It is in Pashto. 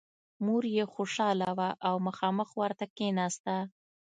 مور یې خوشحاله وه او مخامخ ورته کېناسته